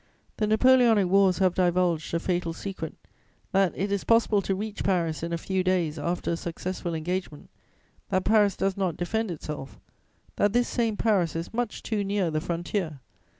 The Napoleonic wars have divulged a fatal secret: that it is possible to reach Paris in a few days after a successful engagement; that Paris does not defend itself; that this same Paris is much too near the frontier.